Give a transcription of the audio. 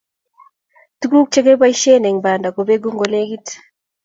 Tuguuk chegiboishen eng Banda kobegu ngolegit